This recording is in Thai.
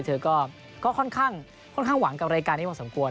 เธอก็ค่อนข้างหวังกับรายการนี้พอสมควร